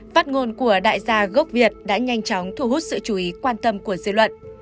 phát ngôn của đại gia gốc việt đã nhanh chóng thu hút sự chú ý quan tâm của dư luận